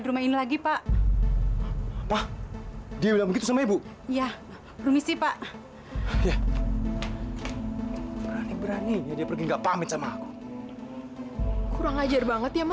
sampai jumpa di video selanjutnya